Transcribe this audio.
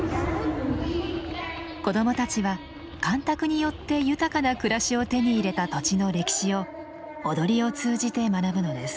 子供たちは干拓によって豊かな暮らしを手に入れた土地の歴史を踊りを通じて学ぶのです。